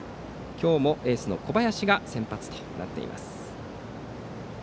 今日もエースの小林が先発となっています。